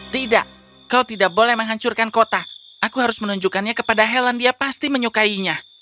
tidak kau tidak boleh menghancurkan kota aku harus menunjukkannya kepada helen dia pasti menyukainya